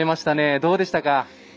どうでしたか？